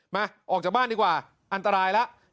ออกจากบ้านดีกว่าอันตรายแล้ว